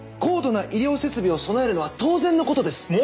高度な医療設備を備えるのは当然のことです！